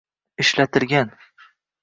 ishlatilgan